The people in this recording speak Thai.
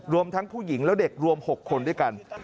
รวมทั้งผู้หญิงและเด็กรวม๖คนด้วยกัน